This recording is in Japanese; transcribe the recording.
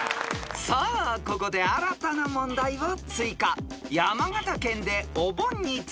［さあここで新たな問題を追加］